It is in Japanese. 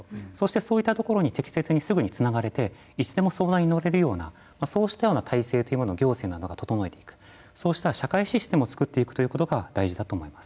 そういったところに適切にすぐにつながれていつでも相談に乗れるようなそうしたような体制というものを行政などが整えていくそうした社会システムを作っていくということが大事だと思います。